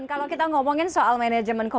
ada yang bilang